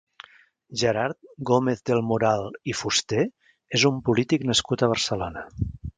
Gerard Gómez del Moral i Fuster és un polític nascut a Barcelona.